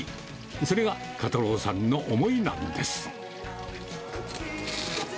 それが袈太郎さんの思いなんです。